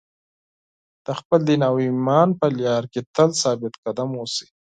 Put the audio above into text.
د خپل دین او ایمان په لار کې تل ثابت قدم اوسئ.